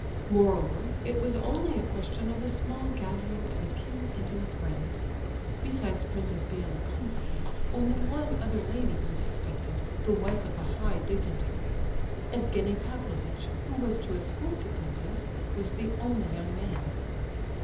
Moreover, it was only a question of a small gathering of a few intimate friends. Besides Princess Bielokonski, only one other lady was expected, the wife of a high dignitary. Evgenie Pavlovitch, who was to escort the princess, was the only young man.